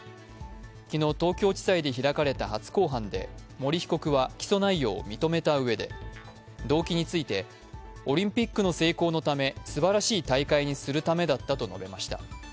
昨日、東京地裁で開かれた初公判で森被告は起訴内容を認めたうえで動機について、オリンピックの成功のためすばらしい大会にするためだったと述べました。